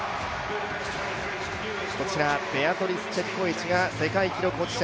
こちらベアトリス・チェプコエチが世界記録保持者。